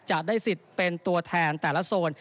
จะได้สิทธิ์เป็นตัวแทนแต่ละโซน